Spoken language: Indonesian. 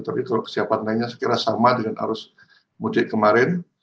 tapi kalau kesiapan lainnya saya kira sama dengan arus mudik kemarin